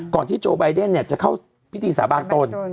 ที่โจไบเดนจะเข้าพิธีสาบานตน